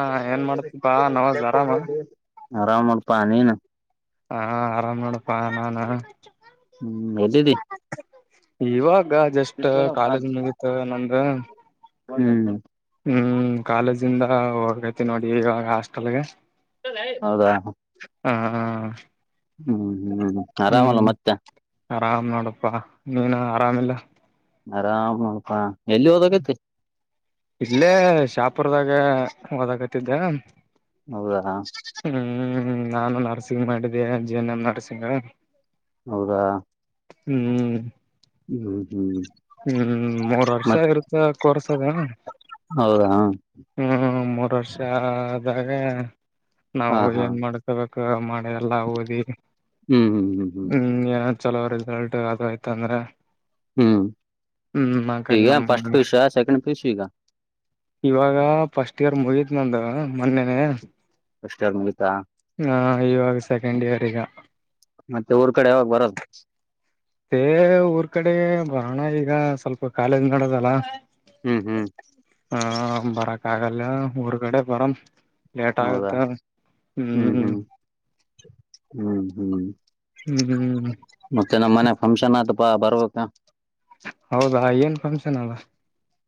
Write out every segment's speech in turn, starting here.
ಹಾ ಏನ್ ಮಾಡ್ತಿೀಪಾ ನವಾಜ್ ಆರಾಮ ಆರಾಮ ಪಾನಿ ನ ಹಾ ಆರಾಮ್ ಮಾಡಪ್ಪಾ ನಾನ ಹ್ಮ್ ಹೇಳ್ದಿದ್ದಿ ಇವಾಗ ಈಗ ಜಸ್ಟ್ ಕಾಲೇಜ್ ಮುಗತ್ ನಂದು ಹ್ಮ್್ಮ. ಹ್ಮ್ ಕಾಲೇಜಿಂದ. ಹೋಗೈತಿ ನೋಡಿ ಇವಾಗ ಅಷ್ಟ. ಲ. ಹೌದಾ. ಹ್ಮ ಹ್ಮ. ಹ್ಮ. ಹ್ಮ್ ಆರಾಮಲ್ಲ ಮತ್ತೆ. ಆರಾಮ್ ನೋಡಪ್ಪಾ ನೀನು ಆರಾಮಿಲ್ಲ. ಆರಾಮ. ಇಲ್ಲೇ ಶಾಪುರದಾಗ. ಹಓದಕತಿದ್ದೆ. ಹೌದಾ. ಹ್ಮ್ ನಾನು ನರ್ಸಿಂಗ್ ಮಾಡಿದ್ದೆ ಜೀವನ್ ನರ್ಸಿಂಗ. ಹೌದಾ. ಹ್ಮ್. ಹ್ಮ್್ಮ ಹ್ಮ್್ಮ್. ಹ್ಮ್ ಮೂರ್ ವರ್ಷ ಇರುತ್ತ ಕೋರ್ಸದ. ಹೌದಾ ಹಾ ಹ್ಮ್ ಮೂರ್ ವರ್ಷ ಆದಾಗ. ನಾವು ಹಾ ಏನ್ ಮಾಡಕೊಬೇಕು ಮಾಡೆ ಎಲ್ಲಾ ಓದಿ ಹ್ಮ್ ಹ್ಮ್ ಹ್ಮ್ ಹ್ಮ್ ಹ್ಮ. ಚಲೋ ರಿಸಲ್ಟ್ ಅ ಆಯ್ತ ಅಂದ್ರೆ. ಹ್ಮ್ ಈಗ ನಮ್ ಫಸ್ಟ್ ಪೀಸ್ ಸೆಕೆಂಡ್ ಪೀಸ್ ಈಗ. ಇವಾಗ ಫಸ್ಟ್ ಇಯರ್ ಮುಗತ್ ನಂದು ಮೊನ್ನೆನೆ. ಕಷ್ಟ ಮಿತಾ. ಹಾ ಇವಾಗ ಸೆಕೆಂಡ್ ಇಯರ್ ಈಗ. ಮತ್ತೆ ಊರ್ ಕಡೆ ಯಾವಾಗ ಬರದು. ಹೇ ಊರ್ ಕಡೆ ಬಣ ಈಗ ಸ್ವಲ್ಪ ಕಾಲೇಜ್ ನಡದಲ್ಲ. ಹ್ಮ್ ಹ್ಮ್ ಹ ಬರಕ್ ಆಗಲ್ಲ ಊರ್ಗಡೆ ಬರಂ. ಲೇಟ್ ಹೌದಾ ಆಗತ್ತ ಹ್ಮ್ ಹ್ಮ್ ಹ್ಮ್ ಹ್ಮ್. ಹ್ಮ್ ಮತ್ತನ ಮನೆ ಫಂಕ್ಷನ್. ಅದುಪ್ಪಾ ಬರಬೇಕ. ಹೌದಾ ಏನ್ ಫಂಕ್ಷನ್ ಅಲ್ಲ.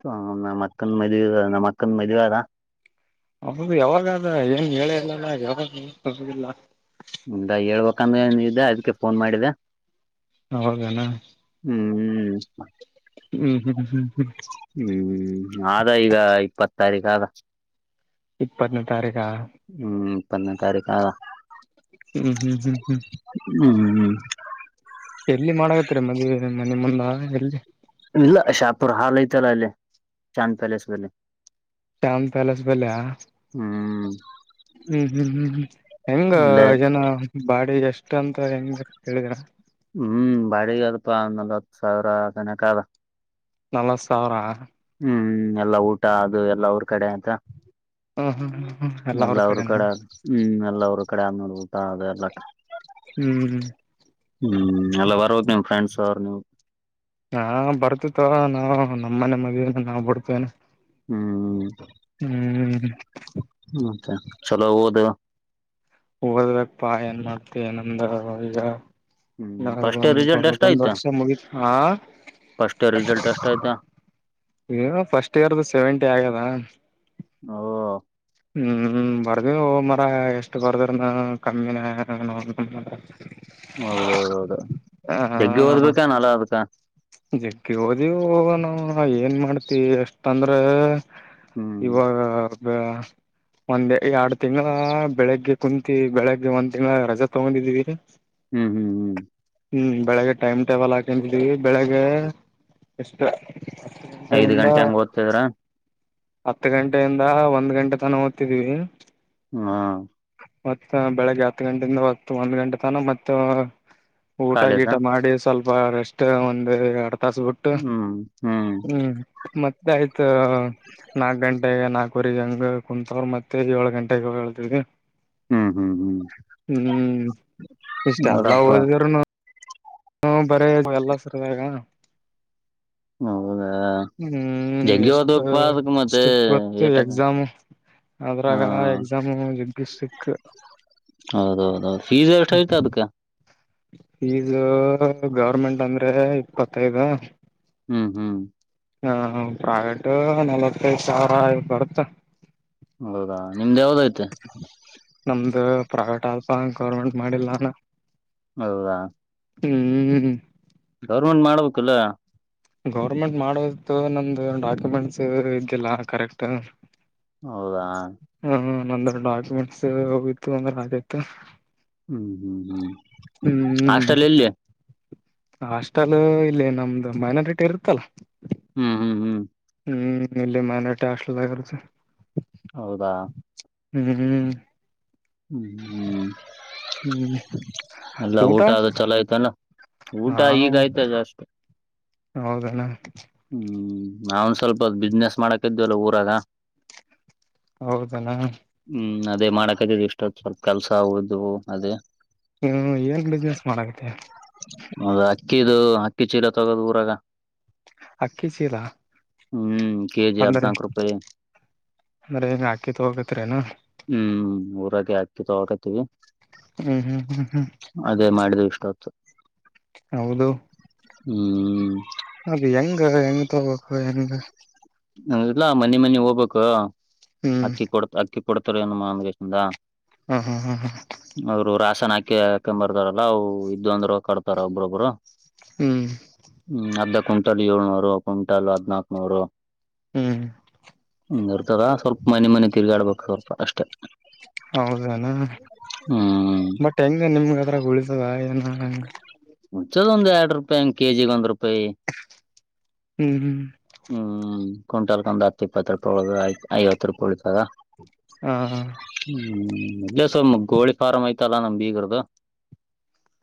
ಹ ನಮ್ಮ ಅಕ್ಕನ್ ಮದುವೆ ನಮ್ಮ ಅಕ್ಕನ್ ಮದ್ುವೆ ಅದ. ಹಬ್ಬದು ಯಾವಾಗಾದ ಹೆಏಂಗ ಹೇಳೇ ಇಲ್ಲಲ್ಲ ಯಾವಾಗದಿಲ್ಲ. ಇ ಹೇಳ್ಬೇಕಂದ್ರ ಏನು ಇದ್ದ ಅದಕ್ಕೆ ಫೋನ್ ಮಾಡಿದೆ. ಹೋಗಣ. ಹ್ಮ್. ಹ್ಮ್ ಹ್ಮ್. ಹ್ಮ್ ಹ್ಮ್ ಆದ ಈಗ ಇಪ್ಪತ್. ಸಾರ ಕಾಗ. ಇಪ್ಪತ್ತನೇ ತಾರೀಕಾ. ಪಂದೇ ತಾರೀಕ. ಹ್ಮ್ ಹ್ಮ್ ಹ್ಮ್ ಹ್ಮ್. ಹ್ಮ್ ಹ್ಮ್ ಎಲ್ಲಿ ಮಾಡಕತ್ತರಿ ಮದ್ವೆ ಮನೆ ಮುಂದ ಎಲ್ಲಿ. ಇಲ್ಲ ಶಾಪುರ್ ಹಾಲ್ ಐತೆಲ್ಲ ಅಲ್ಲಿ ಚಾಂದ್ ಪ್ಯಾಲೇಸ್ ಅಲ್ಲಿ. ಟ್ಯಾಮ್ ಪ್ಯಾಲೇಸ್ ಬಲ್ಯ. ಹ್ಮ. [inaudible] ಹ್ಮ್ ಹ್ಮ್ ಹ್ಮ್ ಹೆಂಗ ಅಲ್ಲೇ ಜನ ಬಾಡಗಷ್ಟ. ಮುಖಾಂತ ಹೆ ಹೇಳಗಣ. ಇಪ್ಪ ನಲವತ್ತು ಸಾವಿರದನ ಕಾಲ. ನಲವತ್ತು ಸಾವಿರ. ಹ್ಮ್ ಎಲ್ಲಾ ಊಟ ಅದು ಎಲ್ಲಾ ಅವ್ರ ಕಡೆ ಅಂತ. ಹ್ಮ ಹ್ಮ್ ಹ್ಮ. ಎಲ್ಲ ಅವ್ರ ಕಡೆ ಹ್ಮ್ ಎಲ್ಲ ಅವ್ರ ಕಡೆ ಆಗ್ ನೋಡ್ಬು. ಹ ಅದೇ ಎಲ್ಲ. ಹ್ಮ್. ಹ್ಮ್ ಎಲ್ಲ ಬರ್ದು ನಿಮ್ ಫ್ರೆಂಡ್ಸ್ ಅವ್ರರು ನೀವು್. ಹಾ ಬರ್ತಿತ್ತು ನಾವು ನಮ್ಮನೆ ಮದುವ ನಾವು ಬಿಡ್ತೇನೆ. ಹ್ಮ್ ಮತ್ತೆ. ಚಲೋ ದವಾ. ಹದಕ್ ಪಾ ಏನ್ ಮಾಡ್ತಿವಿ ನಂದ ಈಗ. ಹ್ಮ್ ಫಸ್ಟ್ ಇಯರ್ ರಿಸಲ್ಟ್ ಎಷ್ಟ ೊ್ ಆಯ್ತಾ ವರ್ಷ ಮುಗ ಹ ಫಸ್ಟ್ ಇಯರ್ ರಿಸಲ್ಟ್ ಎಷ್ಟ ಆಯ್ತಾ ಫಸ್ಟ್ ಇಯರ್ದು ಸೆವೆಂಟಿ ಆಗ್ಯದ. ಓ ಹ್ಮ್ ಬರ್ದಿ ಹ ಮರ ಎಷ್ಟು ಬರ್ದ್ರ ನ ಕಮ್ಮಿನ. ಹೌದೌದೌದು ಗ್ಗೆ ಹ ಓದ್ಬೇಕಾ ನಲ್ಲಾ ಅದ್ಕ. ಜಗ್ಗಿ ಹೋದವು ನಾ ಏನ್ ಮಾಡ್ತಿ ಎಷ್ಟಂದ್ರೆ. ಹ್ಮ್ ಇವಾಗ. ಬ ಒಂದ ಎರಡ್ ತಿಂಗಗಳ ಬೆಳಿಗ್ಗೆ ಕುಂತು ಬೆಳಿಗ್ಗೆ ಒಂದ್ ತಿಂಗಳ ರಜೆ ತಗೊಂಡಿದೀೀರಿ. ಹ್ಮ್ ಹ್ಮ್ ಹ್ಮ್. ಹ್ಮ್ ಬೆಳಗ್ ಟೈಮ್ಟಬಲ್ಾಕಂತೀವಿ. ಬೆಳಗ್ಗೆ ಎಷ್ಟ್ರ. ಐದ್ ಗಂಟೆ ಹಂಗಗೆ ಓದ್ತದ್ರ. ಹತ್ತು ಗಂಟೆಯಿಂದ ಒಂದ್ ಗಂಟೆ ತನ ಓದ್ತಿದೀವಿ. ಹಾ. ಮತ್ತ ಬೆಳಿಗ್ಗೆ ಹತ್ತು ಗಂಟೆಯಿಂದ ಹೊ ಒಂದ್ ಗಂಟೆ ತನ ಮತ್ತ. ಊಟ ಕಾಲೇಜ ಗೀಟ ಮಾಡಿ ಸ್ವಲ್ಪ. ಬಹಾರಷ್ಟ. ಒಂದು ತಾಸಬಿಟ್ಟು ಹ್ಮ್ ಮತ್ತೆ ಆಯ್ತ ನಾಕ್ ಗಂಟೆಗೆ ನಾಕವರೆಗೆ ಹಂಗ್ ಕುಂತವರು ಮತ್ತೆ ಏಳ್ ಗಂಟೆಗೆ ಹೇಳ್ತವಿ ಹ್ಮ್ ಹ್ಮ್ ಹ್ಮ್ ಹ್ಮ್ ಇಷ್ಟ ಎಲ್ಲ ನೋಡಪ್ಪ ಹೋದಿದಾರನು ಹ್ಮ ಬರೇ ಎಲ್ಲ ಸರ್ದಾಗ ಹೌದಾ ಹ್ಮ್ ಜಗ್ಗಿ ಎಷ್ಟ ಓದ್ಬೇಕಪ್ಪಾ ಅದಕ್ ಮತ್ತೆ ಸ್ಟಿಕ್ ಗೊತ್ತು ಏಟಕ ಎಕ್ಸಾಮು ಹಾ ಅದ್ರಾಗ ಎಕ್ಸಾಮುಗ ಸ್ಟ್ರಿಕ್ ಹೌದೌದೌದು ಫೀಸ್ ಎಷ್ಟ ಐತೆ ಅದಕ್ಕ ಹ್ಮ ಇದು ಗೌರ್ಮೆಂಟ್ ಅಂದ್ರೆ ಇಪ್ಪತ್ತೈದ ಹ್ಮ್ ಹ್ಮ್ ಹ ಪ್ರಾವೇಟ ನಲವತ್ತೈದು ಸಾವಿರ ಬರ್ತ ಹೌದಾ ನಿಮ್ದ್ ಯಾವ್ದೈತೆ ನಮ್ದ ಪ್ರಗಲಟಲ ಸಂಗಸ್ ಗೌರ್ಮೆಂಟ್ ಮಾಡಿಲ್ಲ ನಾನ ಹೌದಾ ಹ್ಮ್ ಗೌರ್ಮೆಂಟ್ ಮಾಡ್ಬೇಕಲ್ಲ ಗೌರ್ಮೆಂಟ್ ಮಾಡೋದು ನಮ್ದು ಡಾಕ್ಯುಮೆಂಟ್ಸ್ ಇದಿಲ್ಲ ಕರೆಕ್ಟ್ ಹೌದಾ ಹ್ಮ ಹ್ಮ್ ಒಂದ್ರ ಡಾಕ್ಯುಮೆಂಟ್ಸ್ ಹೋಗಿತ್ತು ಒಂದ್ರ ಆಾಯತತ್ತು ಹ್ಮ್ ಹ್ಮ್ ಹ್ಮ್ ಹ್ಮ್ ಹಾಷ್ಟಲ್ಲ ಎಲ್ಲಿ ಹಾಸ್ಟೆಲ್ ಇಲ್ಲಿ ನಮ್ದು ಮೈನಾರಿಟಿ ಇರುತ್ತಲ್ಲ ಹ್ಮ್- ಹ್ಮ್- ಹ್ಮ್ ಹ್ಮ್ ಇಲ್ಲಿ ಮನಟ ಆಷ್ಟಲದರ್ ಹೌದಾ ಹ್ಮ್್ಮ ಹ್ಮ್್ಮ್ ಹ್ಮ್ ಊಟ ಅದು ಚಲೋ ಆಯ್ತಲ್ಲ ಹಾ ಊಟ ಈಗ ಆಯ್ತ ಅದ ಅಷ್ಟು ಹೌದಣ ಹ್ಮ್ ಹೌ ಸ್ವಲ್ಪ ಬಿಸ್ನೆಸ್ ಮಾಡಕ ಇದುಲ್ಲ ಊರಾಗ ಹೌದನಾ ಹ್ಮ್ ಅದೇ ಮಾಡಕದ ಇಷ್ಟ ಸ್ವಲ್ಪ ಕೆಲಸ ಹಗೋುದು ಅದೇ ಹ್ಮ ಏನ್ ಬಿಸ್ನೆಸ್ ಮಾಡಕತ್ತೆ ಹೌದ್ ಅಕ್ಕಿದು ಅಕ್ಕಿ ಚೀಲ ತಗೋದು ಊರಾಗ ಅಕ್ಕಿ ಚೀಲ ಹ್ಮ್ ಕೆಜಿ ಅಂದ್ರೆ ಹದನಾಕ ರೂಪಾಯಿ ಅಂದ್ರೆ ಹೆಂಗ ಅಕ್ಕಿ ತಗೋಕತ್ರೇನ ಹ್ಮ್ ಊರಕ್ಕೆ ಆ ತ ಅವಕತ ಹ್ಮ್ ಹ್ಮ್ ಹ್ಮ್ ಹ್ಮ್ ತಚ ಹೌದು ಹ್ಮ್ ಅದು ಹೆಂಗ ಹೆಂಗ ತಗೋಬೇಕು ಹೆಂಗ ಇಲ್ಲಾ ಮನೆಿ ಮನೆಿ ಹೋಗ್ಬೇಕು ಹ್ಮ್ ಅಕ್ಕಿ ಕೊಡತ ಅಕ್ಕಿ ಕೊಡತರನು ಮಮೂಲೆಯಿಂದ ಹ್ಮ್ ಹ್ಮ್ ಹ್ಮ್ ಹ್ಮ ಅಕ ಹಾಕೊಂಬರ್ತಾರಲ್ಲಾ ಇದ್ೊಂದ್ರ ಕಡ್ತಾರ ಒಬ್ಬ್ರೊಬ್ರು ಹ್ಮ್ ಹ್ಮ್ ಅದ ಕ್ವಿಂಟಲ್ ಏಳ್ನೂರು ಕ್ವಿಂಟಲ್ ಹದ್ನಾಕ್ನೂರು ಹ್ಮ್ ಇರ್ತದ ಸ್ವಲ್ಪ ಮನೆ ಮನೆ ತಿರ್ಗಾಡ್ಬೇಕ ಕಪ ಅಷ್ಟೇ ಹೌದನಾ ಹ್ಮ್ ಬಟ್ ಹೆಂಗ ನಿಮ್ಗ ಅದರಾಗ ಉಳಿತದ ಏನು ಹ್ಮ ಹ್ಮ ಮುಂಚೆಯಲಾ, ಒಂದ್ ಎರಡು ರೂಪಾಯಿ ಹಂಗ್ ಕೆಜಿಗೇ, ಒಂದ್ ರೂಪಾಯಿ. ಹ್ಮ್, ಹ್ಮ್... ಹ್ಮ್ ಕುಂಟಾಲ್ ಕಂದ ಹತ್ತ ಇಪ್ಪತ್ತು ರೂಪಾಯಿ. ಒಳಗ ಐವತ್ತು ರೂಪಾಯಿ ಉಳಿತಾದ ಹ ಹ್ಮ್. ಎಸ್ಟ್.. ಸರ್, ಕೋಳಿ, ಫಾರಂ ಐತಲ್ಲ. ನಂಬಿಗರದು?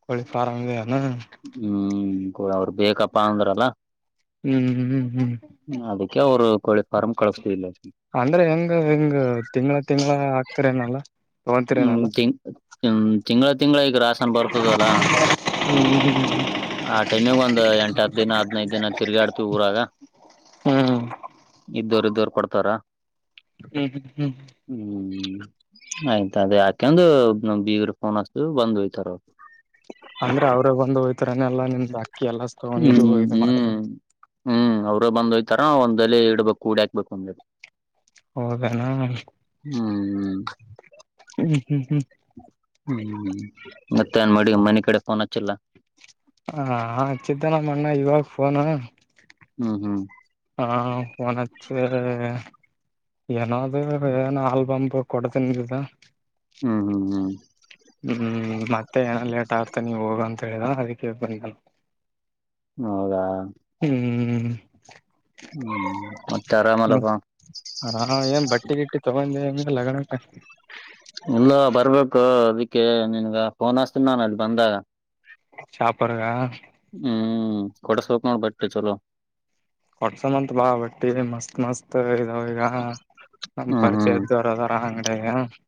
ಕೋಳಿ ಫಾರಂ ಇದೆನಾ [inaudible] ಹ್ಮ್! ಅವರು, ಬೇಕಪ್ಪಾ ಅಂದ್ರ! [inaudible] [unintelligible] [inaudible] [unintelligible] ಹ್ಮ್, ಹ್ಮ್, ಹಮ್ ಅದಕ್ಕೆ ಅವರು! [inaudible] ಕೋಳಿ, ಫಾರಂ ಕಳಿಸ್ತಾ! ಇಲ್ಲ ಅಂದ್ರೆ, ಹೆಂಗ ಹೆಂಗ ತಿಂಗಗಳ, ತಿಂಗಗಳ ಆಕ್ತಾರ. ಏನಲ್ಲ! [inaudible] ಹ್ಮ್, ತಿನ್! [inaudible] ಹ, ತಿಂಗಳ.. [inaudible] ತಿಂಗಳ, ಈಗ ರಾಸನ್ ಬರ್ತದಲ್ಲ! ಹ್ಮ್ ಆ ಟೈಮಗ್ ಒಂದ ಎಂಟ ಹತ್ತು ದಿನ ಹದಿನೈದು, ತಿರ್ಗಾ ಆಡ್ತವಿ. ಊರಾಗ ಹ್ಮ್ ಇದ್ದೋರು, ಇದ್ದೋರು! [unintelligible] ಕೊಡ್ತಾರಾ? [inaudible] ಹ್ಮ್, ಹ್ಮ್, ಹೇಯ್. [inaudible] ಅದೇ, ಯಾಕಂದು. ಬಿಗರು ಫೋನ್ ಹಚ್ಚಾತೀವಿ ಬಂದು ಹೋಗ್ತಾರ ಅವರು! [unintelligible] ಅಂದ್ರೆ, ಅವ್ರೇ ಬಂದು, ಹೋಯತಾರನೆ ಎಲ್ಲಾ ನಿಮ್? [unintelligible] ಹ್ಮ್, ಹ್ಮ್, ಹ್ಮ್. ಅವ್ರ ಬಂದ ಹೋಗ್ತಾ? [inaudible] ತರ, ಒಂದಲ್ಲಿ ಇಡ್ಬೇಕು ಕೂಡಾಕ್ಬೇಕು. ಒಂದು? [inaudible] ಹೌದನ್ನ, ಹ್ಮ್, ಹ್ಮ್ ಹ್ಮ್, ಹ್ಮ್.. [inaudible] ಹ್ಮ್, ಮತ್ತೆನ್ ಮಾಡಿ. ಮನ ಕಡೆ ಫೋನ್ ಹಚ್ಚಿಲ್ಲ!.. [inaudible] ಹ, ಚಿತ್ತನ, ಅಣ್ಣ ಇವಾಗ ಫೋನ್? [inaudible] ಹ್ಮ್, ಹ್ಮ್.. [inaudible] ಹಾ, ಫೋನ್ ಹಚ್ಚಿ.. [inaudible] ಏನಾದೂ, ಏನ ಆಲ್ಬಂಬ. ಕೊಡ್ತನೀ? ಅಂದು ಇದ. [unintelligible] ಹ್ಮ್, ಹ್ಮ್, ಹ್ಮ್. [inaudible] ಹ್ಮ್, ಮತ್ತೆ ಏನ ಲೇಟ್! ಆಗ್ತ ನೀವ ಹೋಗ ಅಂತ ಹೇಳಿದ. ಅದಕ್ಕೆ ಬಂದಿ ನಾನು. [inaudible] ಹೌದಾ? [inaudible] ಹ್ಮ್.. [inaudible] ಹ್ಮ್ ಹ್ಮ, ಆರಾಮಲ್ಲಪ್ಪಾ ಹಾರ ಏನ್ ಬಟ್ಟೆಗಿಟ್ಟಿ ತಗೊಂಡೇ ಇಡೆನ್ ಇಲ್ ಲಗ್ನಕ್ ಇಲ್ಲ, ಬರ್ಬೇಕು ಅದಕ್ಕೆ! ನಿನ್ಗ ಫೋನ್ ಅಸ್ತಿನಿ ನಾನು ಅಲ್ಲಿ ಬಂದಾಗ. ಶಾಪರ್ಗ! ಹ್ಮ್, ಕೊಡ್ಸ್ಬೇಕ್ ನೋಡ್ ಬಟ್ಟೆ ಚಲೋ! ಹೊಟ್ಸ, ಮಂತ, ಬಾ ಬಟ್ಟಿ ಮಸ್ತ್, ಮಸ್ತ್ ಈ ಈಗ, ನಮ್ಮ್, ಹ್ಮ್ ಹ್ಮ್ ಪರಿಚಯ್ದರೋದರ. ಹ? [unintelligible]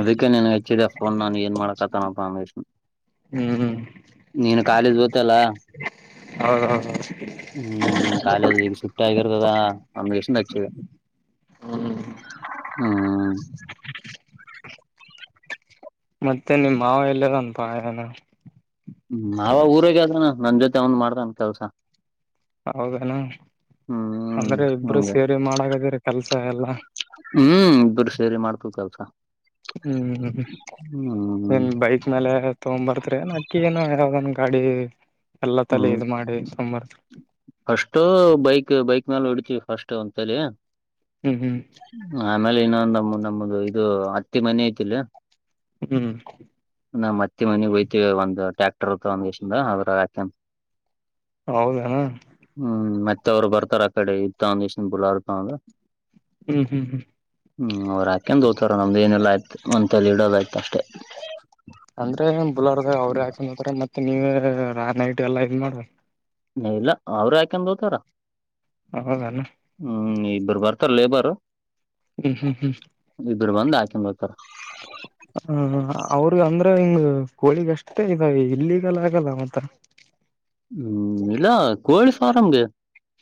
ಅದಕ್ಕೆ ನೀನಗ್ ಅಚ್ಚಿದೆ ಫೋನ್ ನಾನು ಏನ್ ಮಾಡಕತನಪ್ಪ ಅಮೀಷ್. ಹ್ಮ್ ನೀನು ಕಾಲೇಜ್ ಓತ್ತಲ್ಲಾ ಹೌದೌದು ಹ್ಮ್ ಕಾಲೇಜ್ ಈಗ ಶಿಫ್ಟ್ ಆಗಿರ್ತದಾ ಅಂದುಗೆಸಿಂದ ಹ್ಮ್. ಮತ್ತೆ ನಿಮ್ಮ ಮಾವ ಎಳ್ಳೆದನ ಪಾ ಯಾನ್ ಹ್ಮ್ ಅವಾವ ಊರಗ ಅದಾನ ನನ್ ಜೊತೆ ಅವನ್ ಮಾಡ್ತನ್ ಕೆಲ್ಸ. ಹೌದನಾ ಹ್ಮ್ ಅಂದ್ರೆ ಇಬ್ರು ಹಂಗೆ ಸೇರಿ ಮಾಡಾಗದರ ಕಲ್ಸಾ ಹ್ಮ್ ಇಬ್ಬರು ಸೇರಿ ಮಾಡ್ತು ಕೆಲ್ಸ. ಹ್ಮ್ ಹ್ಮ್ ನೀಏನ್ ಬೈಕ್ ಮೇಲೆ ತೊಗಂಡ್ ಬರ್ತರಿನ್ ಅಕ್ಕಿ ಏನ ಯಾವ್ದನ್ ಗಾಡಿ. ಎಲ್ಲ ತಲೆ ಹ್ಮ್ ಇದ್ ಮಾಡಿ ತಗೊಂಬರ್ತ್ರಿ ಅಷ್ಟು ಬೈಕ್ ಬೈಕ್ ಮೆಲೆ ಹೊಡಿ ಫಸ್ಟ್ ಒಂತಲಿ. ಹ್ಮ್ ಹ್ಮ್ ಆಮಲೆ ಇನ ಅಂದ. ನಮ್ದ ಇದು ಹತ್ತಿ ಮನೆ ಐತಿಲಿ ಹ್ಮ್. ನಾ ಮತ್ತೆ ಮನೆಗ್ ಹಯ್ತೇವಿ ಒಂದು ಟ್ಯಾಕ್ಟರ್ತ್ತ ತಗೊಂಡ್ ಒಂದ್ರ ಹಾಕ. ಹೌದನು ಇತ್ತವರು ಬರ್ತಾರ ಆ ಕಡೆ ಇ ಒಂದ ದೇಶ ಬುಲಾರು. ಹ್ಮ್ ಹ್ಮ್ ಹ್ಮ್. ಹ್ಮ್ ಅವ್ ಹಾಕಂದ ದೋತಾರ ನಮ್ದ ಏನಲ್ಲ ಆಯ್ತ ಒಂದಂತ ಇಡೋ ಆಯ್ತು ಅಷ್ಟೇ ಅಂದ್ರೆ ಬುಲಾರದ ಅವ್ರ ಯಾಕ ನೋತಾರೆ ಮತ್ ಮತ್ತೆ ನಿವೇ ರ ನೈಟ್ ಎಲ್ಲಾ ಇದ್ ಮಾಡಿ ಯಲ್. ನ ಇಲ್ಲ ಅವರು ಯಾಕೆಂದ ಹೋತಾರ. ಹೌದಾನ ಹ್ಮ್ ನೀ ಬರ್ಬರ್. Sir labour. ಹ್ಮ್ ಹ್ಮ್ ಹ್ಮ್ ಬಂದ್ ಹಾಕೊಂಡ್ ಹೋತಾರ ಹ ಅವ್ರಗ ಅಂದ್ರ ಹಿಂಗ. ಕೋಳಿಗ ಅಷ್ಟೇ ಇದ ಇಲ್ಲಿಗೆಲ್ಲ ಆಗಲ್ಲ ಮಾತ ಹ್ಮ್ ಇಲ್ಲ ಕೋಳಿ ಫಾರಂಗೆ.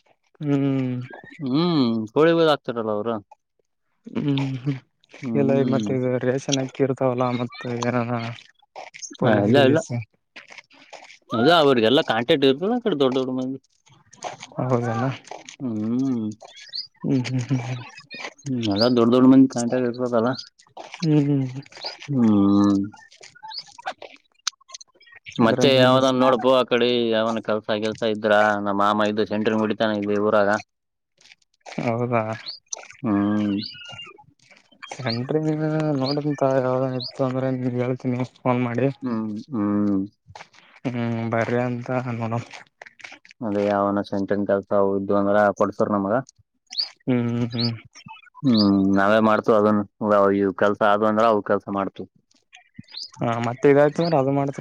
ಹ್ಮ್. ಕೋಳಿಗಳ ಆಗ್ತಾರಲ್ಲ ಅವ್ರು. ಹ್ಮ್್ಮ ಎಲ್ಲ ಈ ಹ್ಮ್ ಮತ್ತೆ ಇದು ರೇಷನ್ ಅಕ್ಕಿ ಇರ್ತಾವಲ್ಲ ಮತ್ತ ಏನಾನ. ಹ ಪೊಲೀಸ್ ಎಲ್ಲ ಎಲ್ಲ ಗಿಲೀಸ್ ಅ ಅವರಿಗೆ ಎಲ್ಲ ಕಾಂಕ್ಟ್. ಕಡೆೊಡ್ಡಡ್ಡಂದಿ. ಹೌದನಾ. ಹ್ಮ್ ಅದ ದೊಡ್ಡ ದೊಡ್ಡ ಮಂದಿ ಕಂಟ ಇರ್ತದದ ಹ್ಮ್ ಹ್ಮ್ ಹ್ಮ್. ಮತ್ತೆ ಅದ್ರ ಯಾವ್ದನ್ ನೋಡ್ಪು ಆ ಕಡೆ ಯಾವ [unintelligible] ಕೆಲ್ಸ- ಕೆಲ್ಸ ಇದ್ರ ನಮ್ಮ ಮಾಮ ಇದದು ಸೆಂಟ್ರ ಬಿಡಿತಾನೆ ಇಲ್ಲಿ ಊರಾಗ ಹೌದಾ ಹ್ಮ್ [unintelligible] ನೀನ್ ನೋಡಂತ ಯಾವ್ದ ಇತ್ತು ಅಂದ್ರೆ ನೀನ್ ಹೇಳ್ತೀನಿ ಫೋನ್ ಮಾಡಿ ಹ್ಮ್ ಹ್ಮ್ ಹ್ಮ್ ಬರ ಅಂತ ನೋಡ ಅಲ್ಲಿ ಯಾವನ ಸೆಂಟನ್ ಕೆಲ್ಸ ಇದು ಅಂದ್ರ ಕೊಡ್ಸರ್ ನಮಗ ಹ್ಮ್ ಹ್ಮ್ ಹ್ಮ್ ನಾವೇ ಮಾಡ್ತು ಅದನ್ ಇವ್ ಕೆಲ್ಸ ಆದ ಅಂದ್ರ ಅವ ಕೆಲ್ಸ ಮಾಡ್ತು ಹಾ ಮತ್ತತ್ ಇದಾಯ್ತ ಅಂದ್ರೆ ಅದು ಮಾಡತ್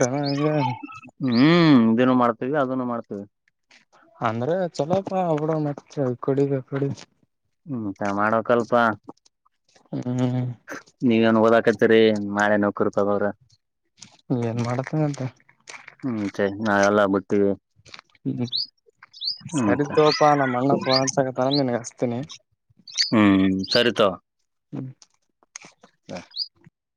ಹ್ಮ್ ನಿ್ದಿನ ಮಾಡ್ತೇವಿ ಅದನ್ನು ಮಾಡ್ತೇವಿ ಅಂದ್ರೆ ಚಲೋಪ್ಪ ಅವಬಡ ಮ ಕೊಡಿಗ ಕೊಡಿ [unintelligible] ಹ [inaudible] ನೀಗನ್ ಓದಾ ಕಟ್ಟ ತ್ರಿ ಮಳೆ ನೋಕರ್ಪಾಗ ಅವ್ರ ಏನ್ ಮಾಡತನಂತ ನಾ [unintelligible] ಎಲ್ಲ ಬರ್ತೀವಿ ಹ್ಮ್ ಸರಿ ತೋಪಾ ನಮ್ಮ ಅಣ್ಣ ಫೋನ್ ಹಚ್ಚಾಕತನ ನಿನ್ಗೆ ತಿನೇ ಹ್ಮ್ ಸರಿತ ಹಾ